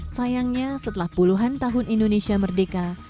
sayangnya setelah puluhan tahun indonesia merdeka